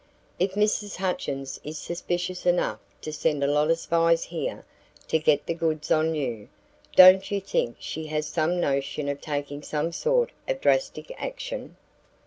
If Mrs. Hutchins is suspicious enough to send a lot of spies here to get the goods on you, don't you think she has some notion of taking some sort of drastic action?"